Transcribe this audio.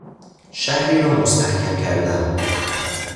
شهری را مستحکم کردن